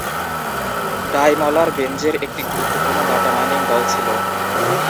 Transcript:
ডাইমলার-বেঞ্জের একটি গুরুত্বপূর্ণ data mining দল ছিল।